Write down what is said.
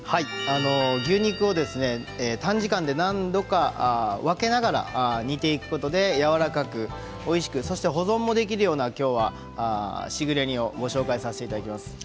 牛肉を短時間で何度か分けながら煮ていくことでやわらかく、おいしくそして保存もできるようなしぐれ煮をご紹介させていただきます。